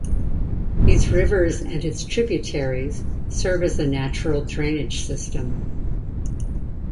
These rivers and its tributaries serve as natural drainage system.